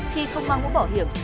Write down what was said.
khi không mang bỏ hiểm